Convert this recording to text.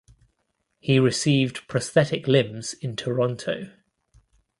He received prosthetic limbs in Toronto.